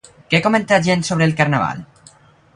Què comenta gent sobre el Carnaval?